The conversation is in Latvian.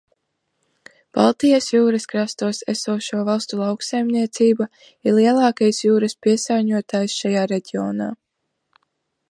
Baltijas jūras krastos esošo valstu lauksaimniecība ir lielākais jūras piesārņotājs šajā reģionā.